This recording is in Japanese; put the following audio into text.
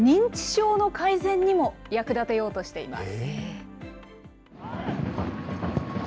認知症の改善にも役立てようとしています。